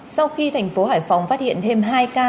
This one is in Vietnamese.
sau khi thành phố hải phòng phát hiện thêm hai ca